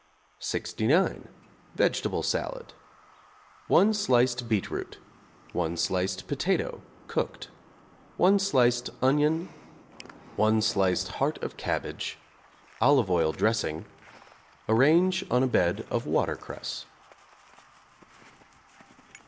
=69. Vegetable Salad= 1 sliced beetroot, 1 sliced potato (cooked), 1 sliced onion, 1 sliced heart of cabbage, olive oil dressing; arrange on a bed of water cress.